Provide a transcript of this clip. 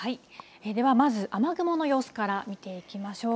では、まず雨雲の様子から見ていきましょう。